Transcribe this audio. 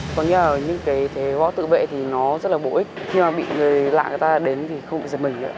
con nghĩ là những cái thể hóa tự vệ thì nó rất là bổ ích khi mà bị người lạ người ta đến thì không bị giật mình nữa